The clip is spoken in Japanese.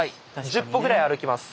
１０歩ぐらい歩きます。